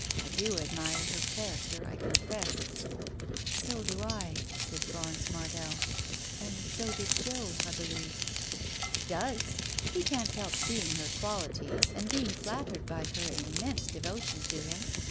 I do admire her character, I confess." "So do I," said Florence Mardell. "And so did Joe, I believe." "Does. He can't help seeing her qualities, and being flattered by her immense devotion to him.